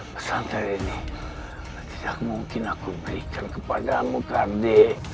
pesantren ini tidak mungkin aku berikan kepadamu karni